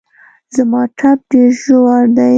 زما ټپ ډېر ژور دی